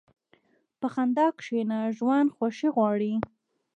په خندا کښېنه، ژوند خوښي غواړي.